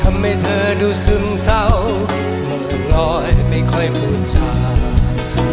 เมื่อรอไม่ค่อยปูชา